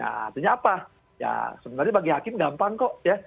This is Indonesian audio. artinya apa ya sebenarnya bagi hakim gampang kok ya